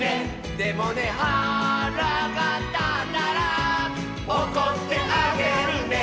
「でもねはらがたったら」「おこってあげるね」